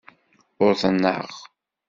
Uḍneɣ.